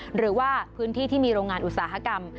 หรือว่าพื้นที่ที่มีโรงงานอุตสาหกรรม